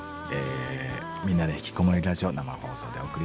「みんなでひきこもりラジオ」生放送でお送りしています。